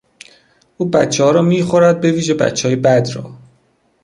او بچهها را میخورد به ویژه بچههای بد را!